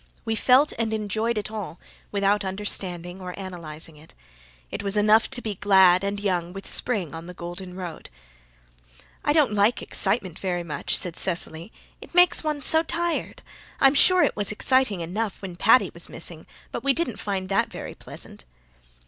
We felt and enjoyed it all without understanding or analyzing it. It was enough to be glad and young with spring on the golden road. "I don't like excitement very much," said Cecily. "It makes one so tired. I'm sure it was exciting enough when Paddy was missing, but we didn't find that very pleasant."